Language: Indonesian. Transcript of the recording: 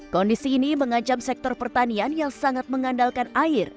kondisi ini mengancam sektor pertanian yang sangat mengandalkan air